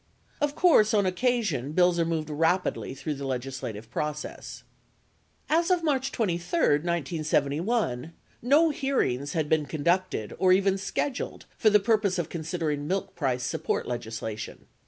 Of course, on occasion, bills are moved rapidly through the legislative process. As of March 23, 1971, no hearings had been conducted or even scheduled for the purpose of considering milk price support legisla tion.